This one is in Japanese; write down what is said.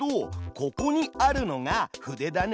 ここにあるのが筆だね。